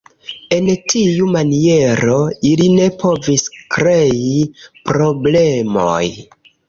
En tiu maniero, ili ne povis krei problemoj.